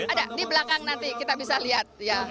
ada di belakang nanti kita bisa lihat ya